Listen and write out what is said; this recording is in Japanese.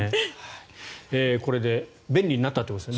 これで便利になったってことですね。